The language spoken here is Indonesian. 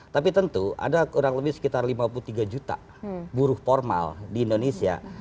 tapi tentu ada kurang lebih sekitar lima puluh tiga juta buruh formal di indonesia